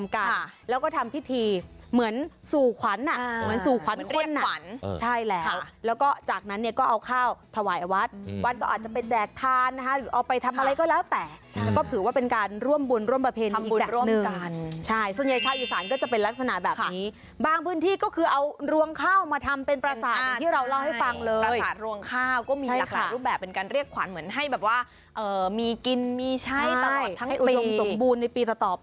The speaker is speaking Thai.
จะเป็นแบบทานนะคะหรือเอาไปทำอะไรก็แล้วแต่แล้วก็ถือว่าเป็นการร่วมบุญร่วมประเพณอีกแบบนึงทำบุญร่วมกันใช่ส่วนใหญ่ชาวอีสานก็จะเป็นลักษณะแบบนี้บางพื้นที่ก็คือเอารวงข้าวมาทำเป็นประสาทที่เราเล่าให้ฟังเลยประสาทรวงข้าวก็มีหลากหลายรูปแบบเป็นการเรียกขวานเหมือนให้แบบว่ามีกินมีใช่ตลอดทั้งป